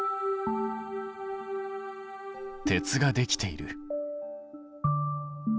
鉄ができている。